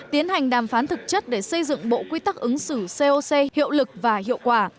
tiến hành đàm phán thực chất để xây dựng bộ quy tắc ứng xử coc hiệu lực và hiệu quả